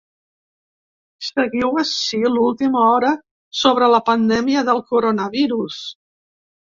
Seguiu ací l’última hora sobre la pandèmia del coronavirus.